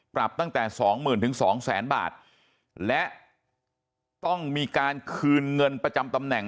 ปรับตั้งแต่สองหมื่นถึงสองแสนบาทและต้องมีการคืนเงินประจำตำแหน่ง